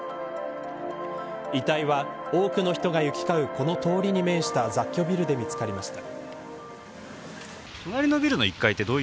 遺体は多くの人が行き交うこの通りに面した雑居ビルで見つかりました。